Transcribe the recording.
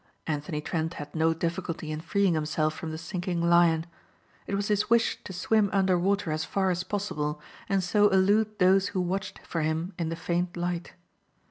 Anthony Trent had no difficulty in freeing himself from the sinking Lion. It was his wish to swim under water as far as possible and so elude those who watched for him in the faint light.